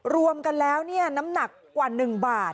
รวมกันแล้วน้ำหนักกว่า๑บาท